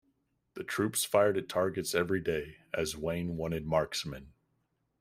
The troops fired at targets every day as Wayne wanted marksmen.